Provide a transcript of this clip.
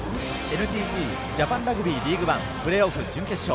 ＮＴＴジャパンラグビーリーグワンプレーオフ準決勝。